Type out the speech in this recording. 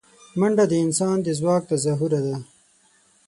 منډه د انسان د ځواک تظاهره ده